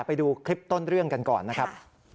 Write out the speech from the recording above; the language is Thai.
ไปดูคลิปต้นเรื่องกันก่อนนะครับ